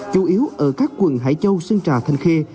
chủ yếu ở các quận hải châu sơn trà thành khe